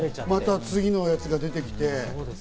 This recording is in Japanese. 次のやつが出てきて。